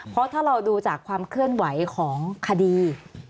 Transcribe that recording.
เพราะถ้าเราดูจากความเคลื่อนไหวของคดี